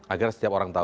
agar setiap orang tahu